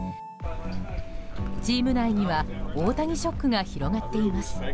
チーム内には大谷ショックが広がっています。